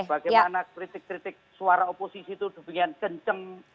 bagaimana kritik kritik suara oposisi itu dengan kencang